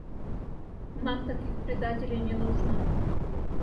Нам таких предателей не нужно...